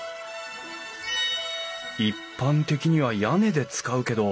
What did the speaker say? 一般的には屋根で使うけど。